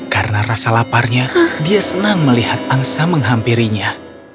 karena rasa laparnya dia senang melihat angsa menghampirinya